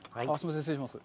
失礼します。